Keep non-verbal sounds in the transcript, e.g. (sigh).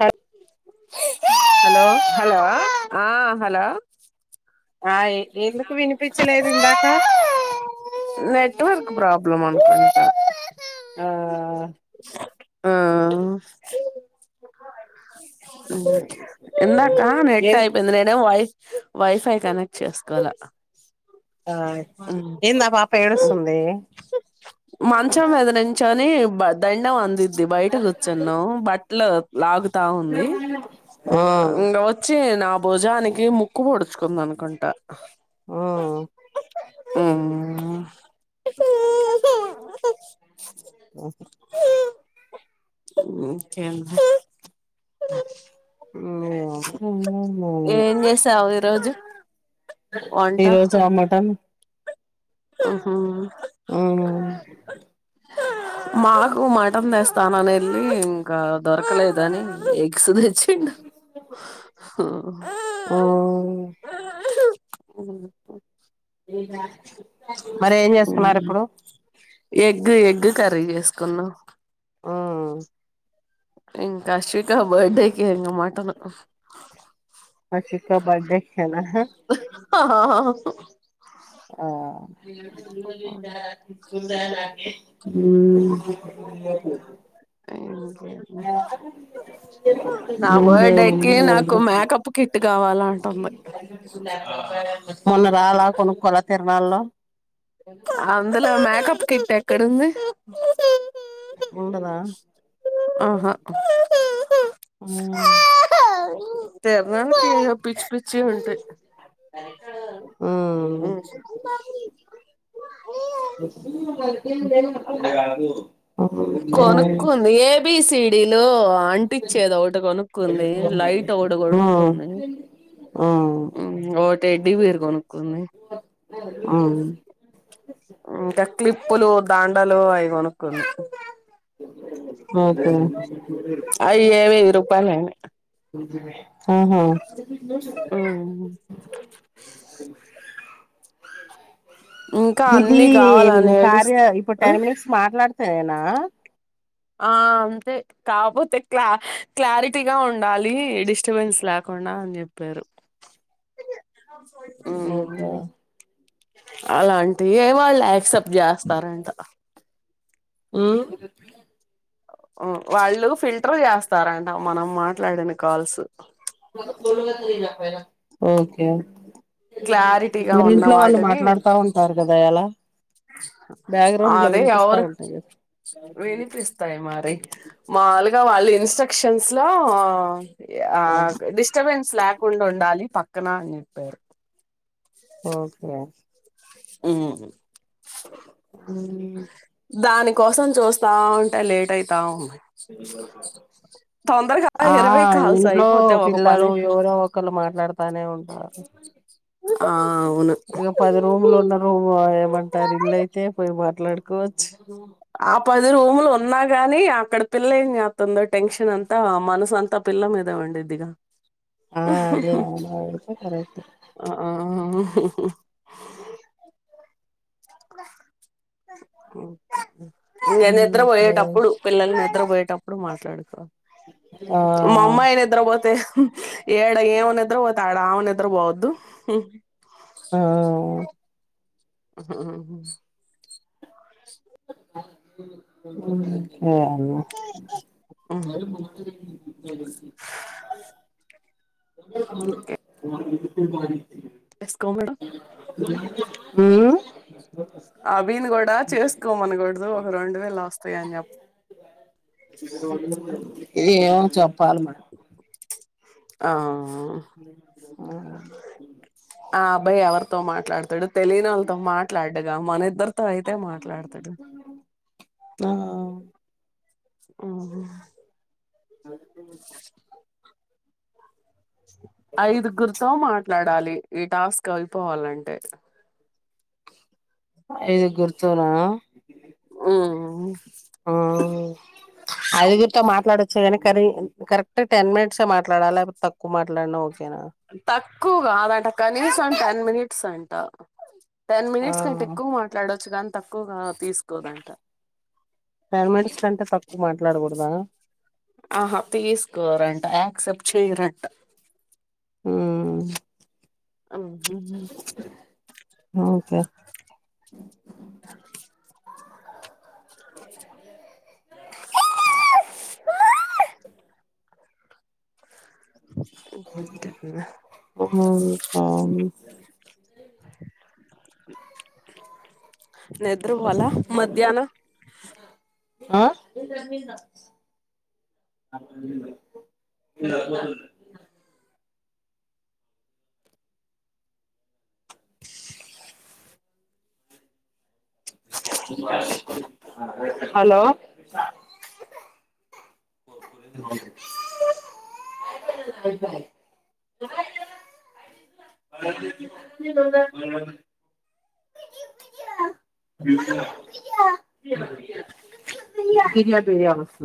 హల్ hello (unintelligible) hello ఆ hello ఆ ఎ ఎందుకు వినిపించలేదు ఇందాకా. లో (unintelligible) మంటంటా ఆ ఆ సట్ ఆ మ్ (unintelligible) మ్ ఇందాక నెట్ ఏం అయిపోయింది నేనేం వైఫ్ వైఫై కనెక్ చేసుకోవాల ఆ ఏంద ఆ పాప ఏడుస్తుంది. మంచం ఎదురించని బ దండం అందింది ది బయట కూర్చొన్నం బట్లు లాగుతా ఉంది ఆ ఇంగ వచ్చి నా భుజానికి ముక్కు ముడుచుకుందాను. కొంట ఉ ఉమ్ (unintelligible) (unintelligible) ఇంకేంది (unintelligible) ఆ ఏం చేసావు ఈ రోజు. ఈ రోజు ఆ మటన్ ఆహా ఆ (unintelligible) మాకు మటన్ తెస్తానని వెళ్ళి ఇంకా దొరకలేద అని ఎగ్స్ తెచ్చిండు. ఆ (unintelligible) ఇందా మరి ఏం చేసుకున్నారు ఇప్పుడు ఎగ్ ఎగ్ కర్రీ చేసుకున్నాం. ఆ ఇంక కాశవిిక బర్త్డేకి వెళ్లినం మటను మా చిక్క బర్త్డే కదా ఆ హ్మ్ పో నా బర్త్డేకి నాకు మేకప్ కిట్ కావాల అంటుంది మొన్న రాళ కొను కొలా తె నళ్ళ అందులో మేకప్ కిట్ ఎక్కడుంది ఉండదా ఆహా హ్మ్ తీర్ణలకి పిచ్ పిచ్ చ్చీ ఉంటయి మ కొనుక్కుంది ఏబిసిడీ లు అంటిచ్చేది ఒకటి కొనుక్కుంది లైట్ ఒకటి ఉమ్ కొనుక్కుంది ఆ హ్మ్ ఒకటి బి వేర్ కొను కొన్ని హ్మ్ ఇంకా క్లిప్పులు దాండాలు ఆయి కొనుకుంది ఓకే అయ ఏవి రూపాయ అయినయ్ హహా హ్మ్ ఇంకా ఇది అన్ని కావాలని (unintelligible) ఇప్పుడు ఏడుస్తూ టెన్ మినిట్స్ మాట్లాడు తేనా ఆ అంతే కాపోతే క్లా క్లారిటీగా ఉండాలి డిస్టర్బెన్స్ లేకుండా అని చెప్పారు ఓకే హ్మ్ అలాంటి ఏ వాళ్ళు యాక్సెప్ట్ చేస్తారంట హ్మ్ వాళ్ళు ఫిల్టర్ చేస్తారంట మనం మాట్లాడిన కాల్సు ఒక ఫోన్ గాని చేయలే అనా ఓకే క్లారిటీగా మరి ఉన్న ఇంట్లో వాళ్ళు వాటిని మాట్లాడుతా ఉంటారు కదా ఎలా బ్యాక్గ్రౌండ్ లో అదే వినిపిస్తా రు ఉంటాయి కదా వినిపిస్తాయి మరి మాల ఇకా వాళ్ళు ఇన్స్ట్రక్షన్స్ లో ఆ డిస్టర్బెన్స్ లేకుండా ఉండాలి పక్కన అని చెప్పారు ఓకే ఆ అ దాని కోసం చూస్తా ఉంటేయి లేట్ అయితావు ఆ ఇరవై కాల్స్ ఇంట్లో అయిపోతే ఒక పని పిల్లలు ఎవరో ఒకరుు మాట్లాడుతానే ఉంటారు ఆ అవును ఇక పది రూములు ఉన్న రూమ్ ఏమంటారు ఇల్లుయితే పోయి మ మాట్లాడుకోవచ్చు ఆ పదిరుములు అన్నా గాని అక్కడ పిల్ల అతంద టెన్షన్ అంతా ఆ మనసు అంతా పిల్ల మీదవ అండి ఇదిగా ఆ అదే అ అతే కరట్ ఉ నేను నిద్ర కరెక్ట్ పోయేటప్పుడు పిల్లలు నిద్ర పోయేటప్పుడు ఎప్పుడు మాట్లాడుకోవ ఏమో మా అమ్మాయినిద్ర పోతే ఏడు ఏనిద్ర పోతే డా అవన ఎత్రరు బాద్దు అ అ ఉ మ్ ఆ అన్ (unintelligible) (inaudible) (inaudible) (unintelligible) మ్ అ వీణ్ణి కూడా చేస్కోమనకూడదు ఒక రెండు వేలొస్తాయన్ చెప్ ఇది ఏమో చెప్పాలి మరి ఆ ఆ ఆబ్బాయి ఎవరితో మాట్లాడతాడు తెలియనోళ్లతో మాట్లాడ్ ద మనిద్దర్ ఆ అవును (inaudible) ఐదుగుర్తొ మాట్లాడ డాలి ఈ టాస్క్ అయిపోవాలంటే ఐద్గుర్తోనా ఆ సరెగని కరి కరెక్ట్గా టెన్ మినిట్సే మాట్లాడాల లేక్ తక్కువ మాట్లాడిన ఓ తక్కుగాదట కనీసం టెన్ మినిట్ సంట టెన్ ఆ మినిట్స్ కంటెక్కువ మాట్లాడొచ్చు కాం తక్కువ్గా తీస్కోదంట టెన్ మినిట్స్ కంటే తక్కువ మాట్లాడకూడదా అహ తీస్కోరంట యాక్సెప్ట్ చెయ్రంట మ్మ్ ఆమ్ ఓకే (inaudible) ఉమ్ అవును (inaudible) నిద్ర పోలా మధ్యాహ్నమ్ ఆ హలో (inaudible) (unintelligible) పెయా పెయా వస్తు